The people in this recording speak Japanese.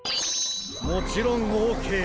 もちろんオーケー！